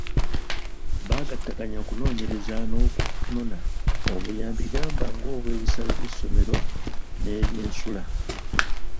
Baagattaganya okunoonyereza n’okunona obuyambi gamba ng’obwebisale by’essomero n’ebyensula.